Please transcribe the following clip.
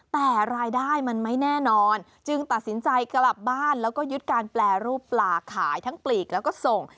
แต่รายได้มันไม่แน่นอนจึงตัดสินใจกลับบ้านแล้วก็ยึดการแปรรูปปลาขายทั้งปลีกแล้วก็ส่ง